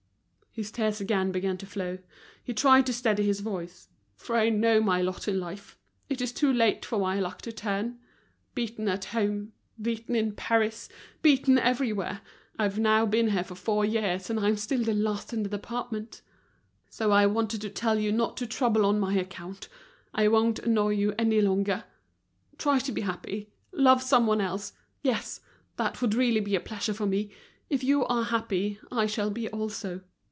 His tears again began to flow, he tried to steady his voice. "For I know my lot in life. It is too late for my luck to turn. Beaten at home, beaten in Paris, beaten everywhere. I've now been here four years and am still the last in the department. So I wanted to tell you not to trouble on my account. I won't annoy you any longer. Try to be happy, love someone else; yes, that would really be a pleasure for me. If you are happy, I shall be also.